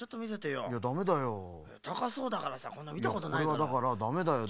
これはだからダメだよ。